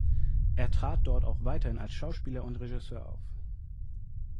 Er trat dort auch weiterhin als Schauspieler und Regisseur auf.